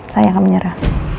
saya akan menyerah